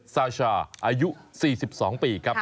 ซาชาอายุ๔๒ปีครับ